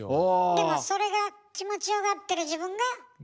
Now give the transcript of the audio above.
でもそれが気持ちよがってる自分が。